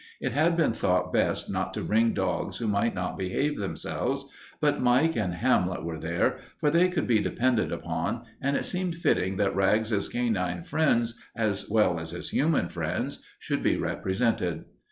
It had been thought best not to bring dogs who might not behave themselves, but Mike and Hamlet were there, for they could be depended upon, and it seemed fitting that Rags's canine friends as well as his human friends should be represented.